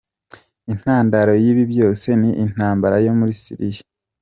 Intandaro y’ibi byose ni intambara yo muri Syria.